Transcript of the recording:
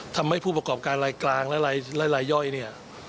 ทำให้ผู้ประกอบการรายกลางและรายย่อยเนี่ย